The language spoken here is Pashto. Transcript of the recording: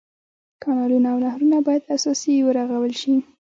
کانلونه او نهرونه باید اساسي ورغول شي.